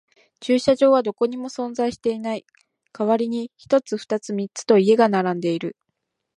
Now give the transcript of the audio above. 駐車場はどこにも存在していない。代わりに一つ、二つ、三つと家が並んでいる。